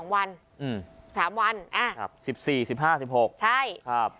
วัน๓วัน๑๔๑๕๑๖ใช่ครับ